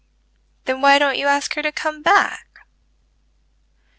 "Then why don't you ask her to come back."